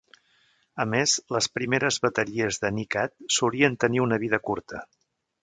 A més, les primeres bateries de NiCad solien tenir una vida curta.